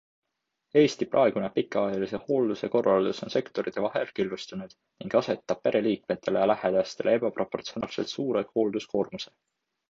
Eesti praegune pikaajalise hoolduse korraldus on sektorite vahel killustunud ning asetab pereliikmetele ja lähedastele ebaproportsionaalselt suure hoolduskoormuse.